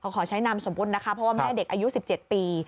ขอใช้นามสมมุตินะคะเพราะว่าแม่เด็กอายุ๑๗ปี